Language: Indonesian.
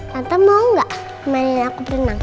tante mau gak temenin aku berenang